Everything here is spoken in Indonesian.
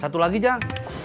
satu lagi jang